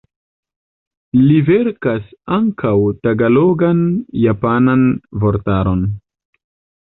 Li verkas ankaŭ tagalogan-japanan vortaron.